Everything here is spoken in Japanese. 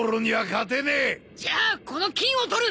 じゃあこの金を取る！